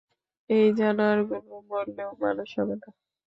এই জানোয়ারগুলো মরলেও মানুষ হবে না!